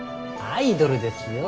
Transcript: アイドルですよ